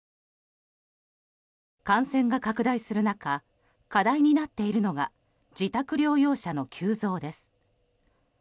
感染が拡大する中課題になっているのが自宅療養者の急増です。